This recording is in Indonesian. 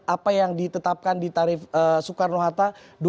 apa yang ditetapkan di tarif soekarno hatta